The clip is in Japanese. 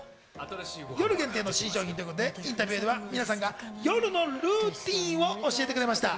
夜限定の新商品ということでインタビューでは皆さんが夜のルーティンを教えてくれました。